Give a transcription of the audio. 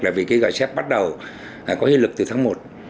là vì cái gọi xếp bắt đầu có hiệu lực từ tháng một